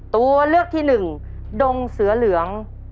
ตัวเลือกที่หนึ่งดงเสือเหลือง